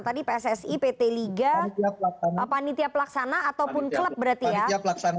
tadi pssi pt liga panitia pelaksana ataupun klub berarti ya